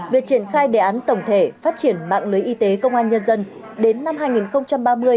việc triển khai đề án tổng thể phát triển mạng lưới y tế công an nhân dân đến năm hai nghìn ba mươi